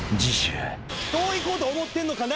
どういこうと思ってんのかな？